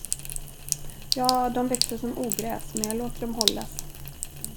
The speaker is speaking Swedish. Ja, de växer som ogräs men jag låter dem hållas.